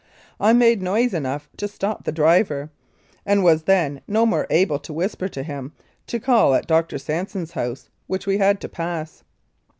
I made noise enough to stop the driver, and was then no more than able to whisper to him to call at Dr. Sanson's house, which we had to pass.